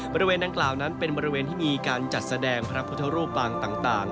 บริเวณดังกล่าวนั้นเป็นบริเวณที่มีการจัดแสดงพระพุทธรูปปางต่าง